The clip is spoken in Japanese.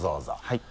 はい。